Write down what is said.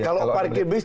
kalau parkir bus